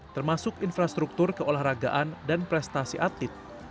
termasuk infrastruktur keolahragaan dan prestasi atlet